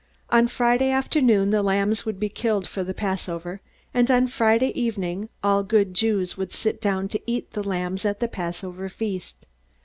On Friday afternoon the lambs would be killed for the Passover, and on Friday evening all good Jews would sit down to eat the lambs at the Passover feast.